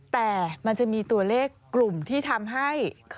แต่มันจะมีตัวเลขกลุ่มที่ทำให้